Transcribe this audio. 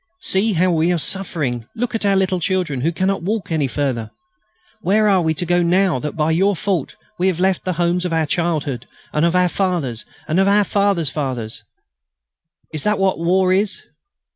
See how we are suffering. Look at our little children, who cannot walk any further. Where are we to go now that, by your fault, we have left the homes of our childhood, and of our fathers and our fathers' fathers? Is that what war is?"